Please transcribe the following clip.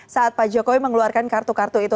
saat pak jokowi mengeluarkan kartu kartu itu